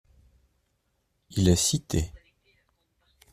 Il est cité.